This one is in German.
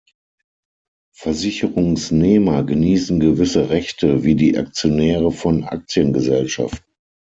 Versicherungsnehmer genießen gewisse Rechte wie die Aktionäre von Aktiengesellschaften.